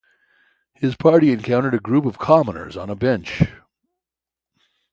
His party encountered a group of commoners on a beach.